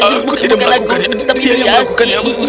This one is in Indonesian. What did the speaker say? aku tidak melakukan itu dia yang melakukan itu